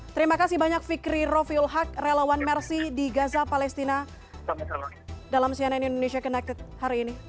terima kasih banyak fikri rofiul haq relawan mersi di gaza palestina dalam cnn indonesia connected hari ini